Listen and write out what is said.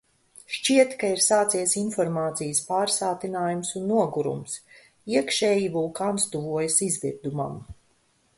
Šķiet, ka ir sācies informācijas pārsātinājums un nogurums... iekšēji vulkāns tuvojas izvirdumam...